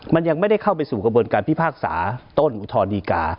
มันยังไม่ได้เข้าไปสู่กระบวนการพิพากษาต้นอุทธรณดีกา